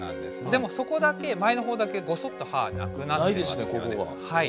でもそこだけ前のほうだけごそっと歯なくなってますよね。